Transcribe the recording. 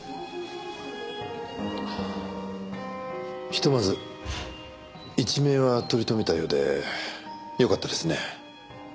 ひとまず一命は取り留めたようでよかったですね。